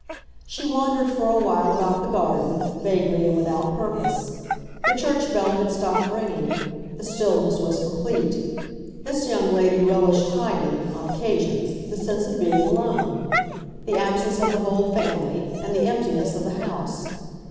She wandered for a while about the garden, vaguely and without purpose. The church bell had stopped ringing; the stillness was complete. This young lady relished highly, on occasions, the sense of being alone—the absence of the whole family and the emptiness of the house.